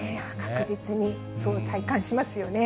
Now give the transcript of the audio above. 確実に、そう体感しますよね。